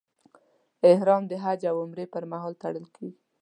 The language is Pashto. احرام د حج او عمرې پر مهال تړل کېږي.